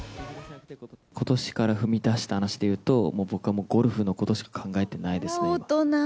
ことしから踏み出した話でいうと、もう僕は、ゴルフのことしか考えてないですね。